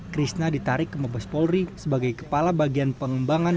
krisna ditarik ke mabos polri sebagai kepala bagian pengembangan